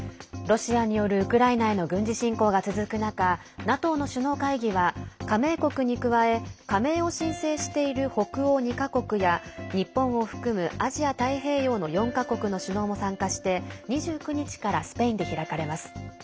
ロシアによるウクライナへの軍事侵攻が続く中ＮＡＴＯの首脳会議は加盟国に加え加盟を申請している北欧２か国や日本を含むアジア太平洋の４か国の首脳も参加して２９日からスペインで開かれます。